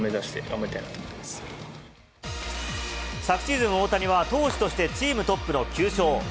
昨シーズン、大谷は投手としてチームトップの９勝。